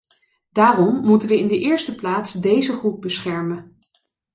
Daarom moeten we in de eerste plaats deze groep beschermen.